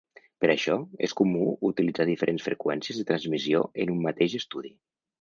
Per això, és comú utilitzar diferents freqüències de transmissió en un mateix estudi.